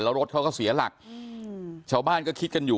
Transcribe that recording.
แล้วรถเขาก็เสียหลักอืมชาวบ้านก็คิดกันอยู่